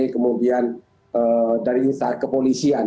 kemudian dari kepolisian